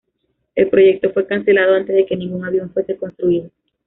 El proyecto fue cancelado antes de que ningún avión fuese construido.